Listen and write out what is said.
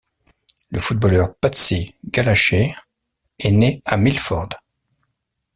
Le footballeur Patsy Gallacher est né à Milford.